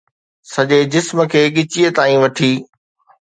سڄي جسم کي ڳچيء تائين وٺي